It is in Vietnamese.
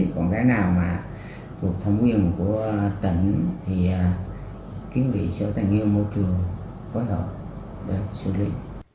còn cái nào mà thuộc thẩm quyền của tận thì kiếm vị sở tài nguyên môi trường quốc hợp để xử lý